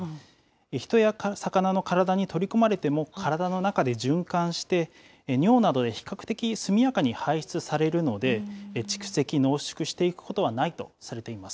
人や魚の体に取り込まれても、体の中で循環して、尿などで比較的速やかに排出されるので、蓄積・濃縮していくことはないとされています。